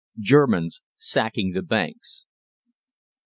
GERMANS SACKING THE BANKS.